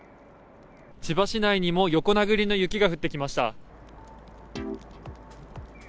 千葉市内にも横殴りの雪が降ってきました。